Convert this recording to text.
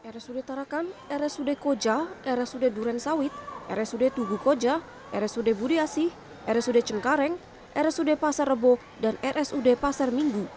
rsud tarakan rsud koja rsud duren sawit rsud tugu koja rsud budi asih rsud cengkareng rsud pasar rebo dan rsud pasar minggu